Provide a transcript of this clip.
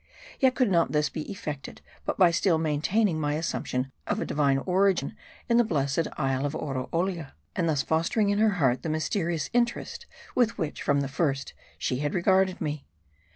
Yet could not this be effected but by still maintaining my assumption of a divine origin in the blessed isle of Oroolia ; and thus fostering in her heart the mysterious interest, with which from the first she had regarded me.